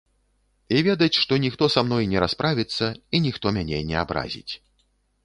І ведаць, што ніхто са мной не расправіцца і ніхто мяне не абразіць.